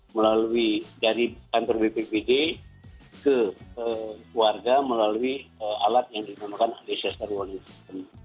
melalui dari kantor bppd ke warga melalui alat yang dinamakan antisester warning system